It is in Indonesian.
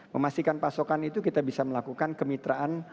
memastikan pasokan itu kita bisa melakukan kemitraan